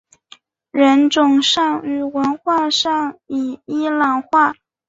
人种上与文化上已伊朗化。